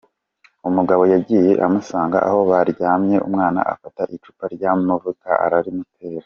Umugabo yagiye amusanga aho baryamye umwana afata icupa ry’amavuta arimutera.